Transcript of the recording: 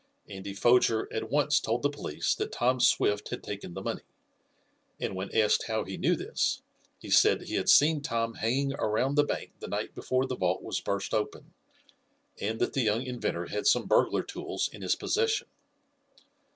Andy Foger at once told the police that Tom Swift had taken the money, and when asked how he knew this, he said he had seen Tom hanging around the bank the night before the vault was burst open, and that the young inventor had some burglar tools in his possession.